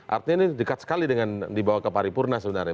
artinya ini dekat sekali dengan dibawa ke paripurna sebenarnya